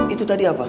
itu tadi apa